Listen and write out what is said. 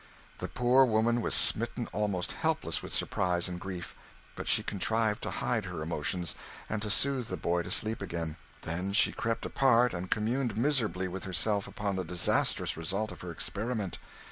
The poor woman was smitten almost helpless with surprise and grief; but she contrived to hide her emotions, and to soothe the boy to sleep again; then she crept apart and communed miserably with herself upon the disastrous result of her experiment.